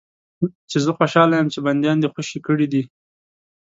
چې زه خوشاله یم چې بندیان دې خوشي کړي دي.